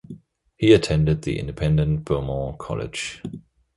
He attended the independent Beaumont College.